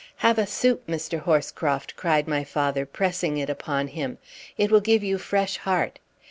"Have a soop, Mister Horscroft," cried my father, pressing it upon him. "It will give you fresh heart!"